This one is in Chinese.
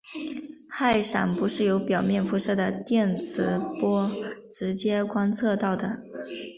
氦闪不是由表面辐射的电磁波直接观测到的。